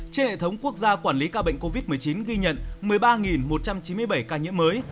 trên hệ thống quốc gia quản lý ca bệnh covid một mươi chín ghi nhận một mươi ba một trăm chín mươi bảy ca nhiễm mới